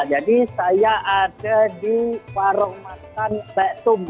jadi saya ada di warung makan mbak tum